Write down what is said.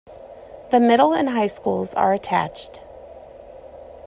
The middle and high schools are attached.